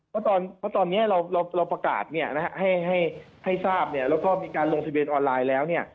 เพราะตอนนี้เราประกาศให้ทราบแล้วก็มีการลงทะเบียนออนไลน์แล้ว